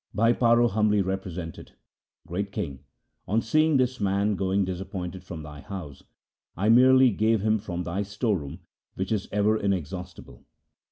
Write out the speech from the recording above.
Bhai Paro humbly represented :' Great king, on seeing this man going disappointed from thy house I merely gave him from thy store room which is ever in exhaustible.